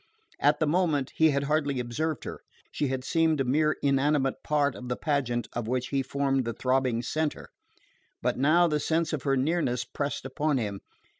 At the moment he had hardly observed her: she had seemed a mere inanimate part of the pageant of which he formed the throbbing centre. But now the sense of her nearness pressed upon him.